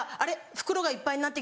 袋がいっぱいになってきた。